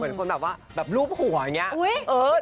เป็นฟื้นแบบลูบหัวอย่างนี้